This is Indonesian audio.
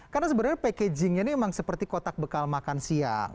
karena sebenarnya packagingnya ini emang seperti kotak bekal makan siang